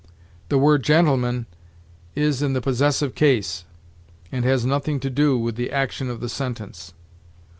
The word gentleman is in the possessive case, and has nothing to do with the action of the sentence.